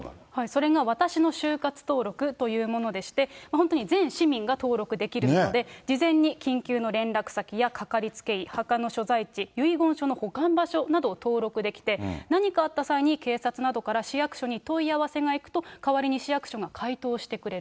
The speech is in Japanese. それが私の終活登録というものでして、本当に全市民が登録できるので、事前に緊急の連絡先やかかりつけ医、墓の所在地、遺言書の保管場所などを登録できて、何かあった際に、警察などから市役所に問い合わせがいくと、代わりに市役所が回答